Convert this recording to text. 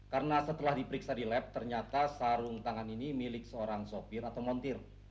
karena setelah diperiksa di lab ternyata sarung tangan ini milik seorang sopir atau montir